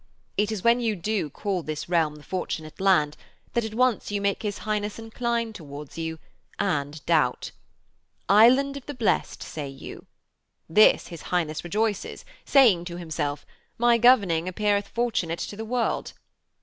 It is when you do call this realm the Fortunate Land that at once you make his Highness incline towards you and doubt. "Island of the Blest," say you. This his Highness rejoices, saying to himself: "My governing appeareth Fortunate to the World."